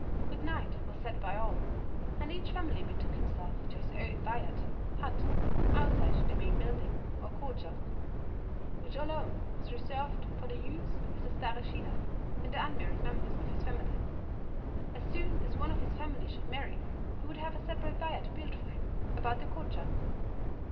Goodnight was said by all, and each family betook himself to his own vayat (hut) outside the main building or Koutcha, which alone was reserved for the use of the Stareshina and the unmarried members of his family. As soon as one of his family should marry, he would have a separate vayat built for him about the Koutcha.